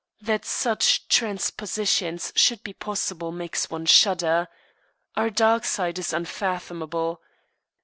That such transpositions should be possible makes one shudder. Our dark side is unfathomable.